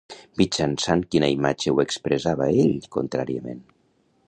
Mitjançant quina imatge ho expressava ell, contràriament?